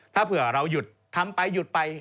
ถ้าเผื่อเราหยุดทำไปหยุดไป